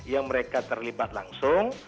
yang mereka terlibat langsung